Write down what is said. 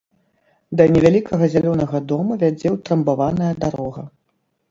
Да невялікага зялёнага дома вядзе ўтрамбаваная дарога.